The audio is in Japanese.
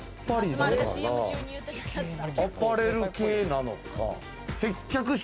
アパレル系なのか。